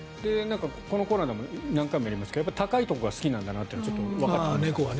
このコーナーでも何回かやりましたけど高いところが好きなんだなというのはわかってきましたね。